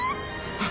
あっ！